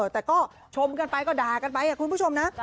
แต่ก็ชมกันไปก็ด่ากันไปคุณผู้ชมนะ